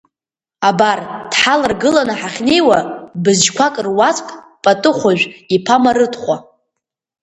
Абар, дҳаларгыланы ҳахьнеиуа, бызшьқәаз руаӡәк, Патыхәажә иԥа Марыҭхәа…